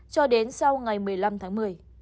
cho đến sau ngày một mươi năm tháng một mươi